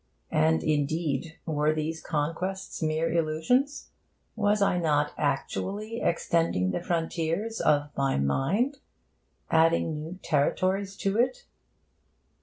And, indeed, were these conquests mere illusions? Was I not actually extending the frontiers of my mind, adding new territories to it?